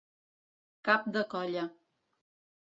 Cap de colla.